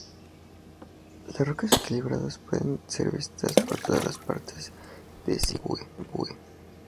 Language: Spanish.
Las Rocas equilibradas pueden ser vistas por todas partes de Zimbabue.